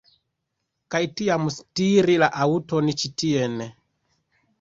Kaj tiam stiri la aŭton ĉi tien